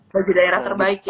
baju daerah terbaik ya